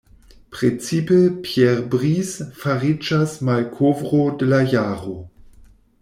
Precipe Pierre Brice fariĝas malkovro de la jaro.